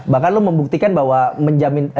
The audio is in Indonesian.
bahkan lu membuktikan bahwa menjamin